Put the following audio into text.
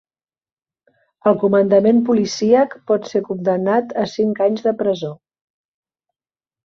El comandament policíac pot ser condemnat a cinc anys de presó